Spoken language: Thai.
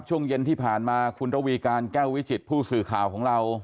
ช่วงเย็นที่ผ่านมาคุณระวีการแก้ววิจิตผู้สื่อข่าวของเรา